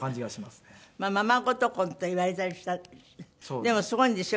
でもすごいんですよ